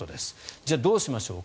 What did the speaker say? じゃあ、どうしましょうか。